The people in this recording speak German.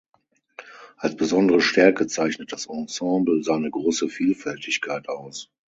Als besondere Stärke zeichnet das Ensemble seine große Vielfältigkeit aus.